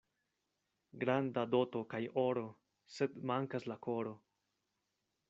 Granda doto kaj oro, sed mankas la koro.